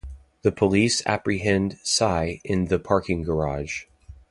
The police apprehend Sy in the parking garage.